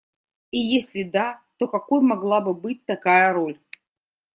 И если да, то какой могла бы быть такая роль?